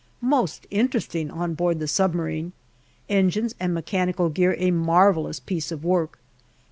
Most interesting on board the submarine. Engines and mechanical gear a marvellous piece of work.